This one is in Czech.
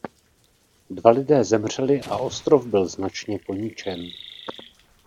Dva lidé zemřeli a ostrov byl značně poničen.